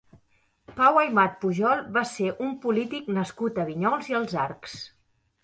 Pau Aymat Pujol va ser un polític nascut a Vinyols i els Arcs.